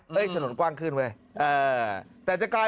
เฮ้ยถนนกว้างขึ้นไว้